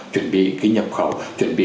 chuẩn bị cái nhập khẩu chuẩn bị